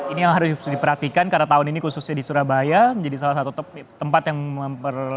ini yang harus diperhatikan karena tahun ini khususnya di surabaya menjadi salah satu tempat yang